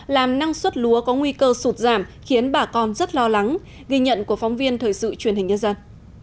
làm năng suất lúa có nguy cơ sụt giảm khiến bà con rất lo lắng ghi nhận của phóng viên thời sự truyền hình nhân dân